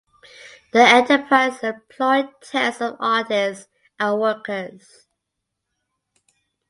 The enterprise employed tens of artists and workers.